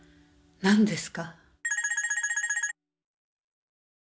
何ですか？